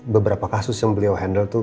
beberapa kasus yang beliau handle itu